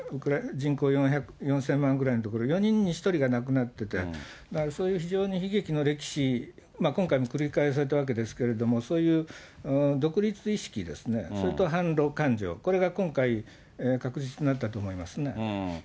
人口４０００万ぐらいの所、４人に１人が亡くなってて、そういう非常に悲劇の歴史、今回も繰り返されたわけですけれども、そういう独立意識ですね、それと反ロ感情、これが今回、確実になったと思いますね。